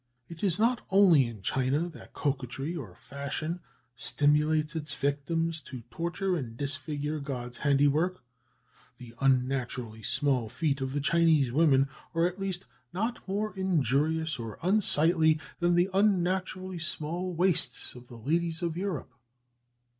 It is not only in China that coquetry or fashion stimulates its victims to torture and disfigure God's handiwork: the unnaturally small feet of the Chinese women are at least not more injurious or unsightly than the unnaturally small waists of the ladies of Europe!"